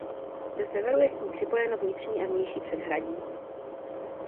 Ze severu je k ní připojeno vnitřní a vnější předhradí.